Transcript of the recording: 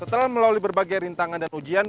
setelah melalui berbagai rintangan dan ujian